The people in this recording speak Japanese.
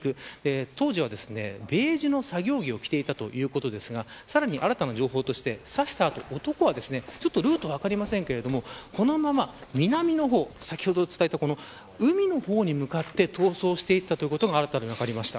当時はベージュの作業着を着ていたということですがさらに新たな情報として刺した後、男はルートは分かりませんがこのまま南の方海の方に向かって逃走していったということが新たに分かりました。